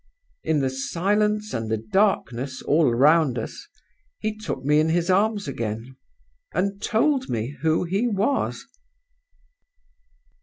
"In the silence and the darkness all round us, he took me in his arms again, and told me who he was."